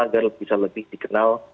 agar bisa lebih dikenal